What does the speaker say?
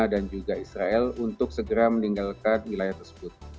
dan juga dari wilayah israel untuk segera meninggalkan wilayah tersebut